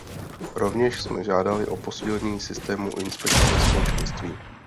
Rovněž jsme žádali o posílení systému inspekcí Společenství.